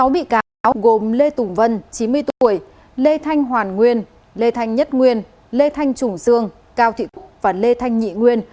sáu bị cáo gồm lê tùng vân chín mươi tuổi lê thanh hoàn nguyên lê thanh nhất nguyên lê thanh trùng dương cao thị cúc và lê thanh nhị nguyên